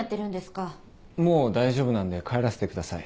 もう大丈夫なんで帰らせてください。